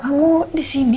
kamu di sini